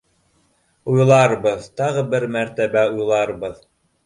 Уйларбыҙ, тағы бер мәртә- бә уйларбыҙ